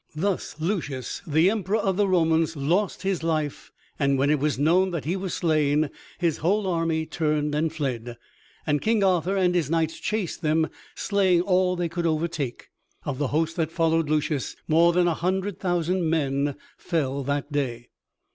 Thus Lucius, the Emperor of the Romans, lost his life; and when it was known that he was slain, his whole army turned and fled, and King Arthur and his knights chased them, slaying all they could overtake. Of the host that followed Lucius, more than a hundred thousand men fell that day.